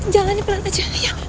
jalannya pelan aja